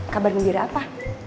kabar gembira apa